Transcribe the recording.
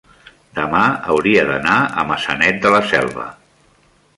demà hauria d'anar a Maçanet de la Selva.